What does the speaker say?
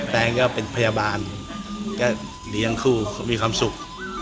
แปลงก็เป็นพยาบาลก็ดีทั้งคู่มีความสุข